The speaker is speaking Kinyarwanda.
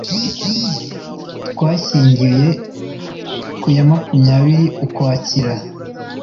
twashyingiwe ku ya makumyabiri ukwakira